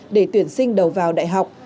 để tuyển sinh đầu vào đại học